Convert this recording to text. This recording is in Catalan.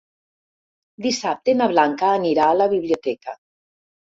Dissabte na Blanca anirà a la biblioteca.